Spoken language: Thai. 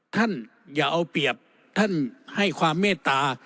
ท่านอย่าเอาเปรียบท่านให้ความเมตตา